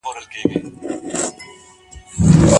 هغه ګوندونه چي تاريخ لري تګلاره لري.